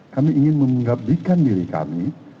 kami ingin mengabdikan diri kami